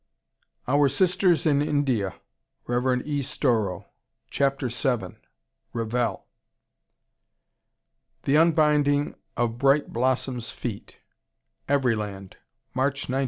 Our Sisters in India, Rev. E. Storrow, Chapter vii Revell. "The Unbinding of Bright Blossom's Feet," Everyland, March, 1913.